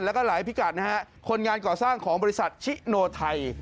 แล้วก็หลายพิกัดนะฮะคนงานก่อสร้างของบริษัทชิโนไทย